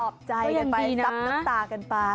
ปลอบใจไปสับน้ำตากันไป